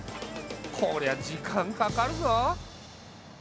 こりゃ時間かかるぞ。